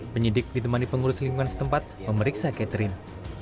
penyidik ditemani pengurus lingkungan setempat memeriksa catherine